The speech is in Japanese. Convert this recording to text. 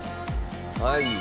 はい。